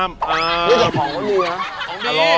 อ้าวอ้าวอ้าว